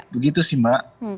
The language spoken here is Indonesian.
begitu sih mbak